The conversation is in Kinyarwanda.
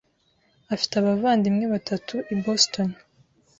afite abavandimwe batatu i Boston.